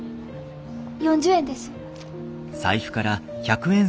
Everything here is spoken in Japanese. ４０円です。